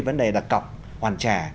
vấn đề đặt cọc hoàn trả